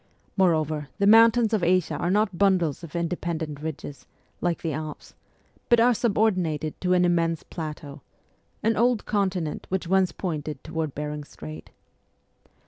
Moreover the mountains of Asia are not bundles of independent ridges, like the Alps, but are subordinated to an immense plateau an old continent which once pointed toward Behring Strait.